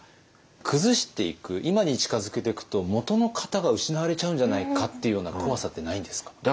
崩していく今に近づけてくともとの型が失われちゃうんじゃないかっていうような怖さってないんですか？